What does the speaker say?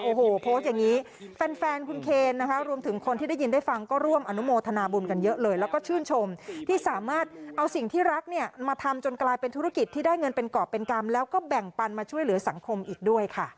โอ้โหโพสต์อย่างนี้แฟนคุณเคนนะคะรวมถึงคนที่ได้ยินได้ฟังก็ร่วมอนุโมทนาบุญกันเยอะเลยแล้วก็ชื่นชมที่สามารถเอาสิ่งที่รักเนี่ยมาทำจนกลายเป็นธุรกิจที่ได้เงินเป็นกรอบเป็นกรรมแล้วก็แบ่งปันมาช่วยเหลือสังคมอีกด้วยค่ะ